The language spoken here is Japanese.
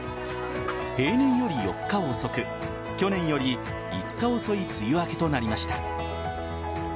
平年より４日遅く去年より５日遅い梅雨明けとなりました。